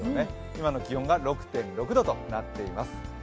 今の気温が６．６度となっています。